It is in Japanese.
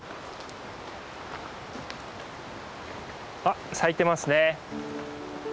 あっ咲いてますね。